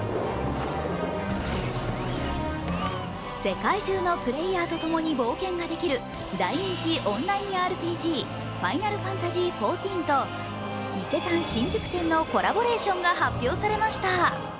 世界中のプレイヤーととともに冒険ができる大人気ＲＰＧ、「ファイナルファンタジーⅩⅣ」と伊勢丹新宿店のコラボレーションが発表されました。